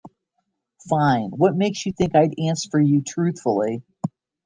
Fine, what makes you think I'd answer you truthfully?